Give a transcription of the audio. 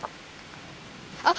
あっ！